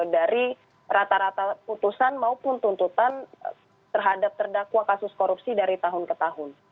dari rata rata putusan maupun tuntutan terhadap terdakwa kasus korupsi dari tahun ke tahun